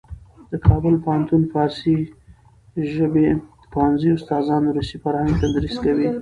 د کابل پوهنتون فارسي ژبې پوهنځي استادان روسي فرهنګ تدریس کوي.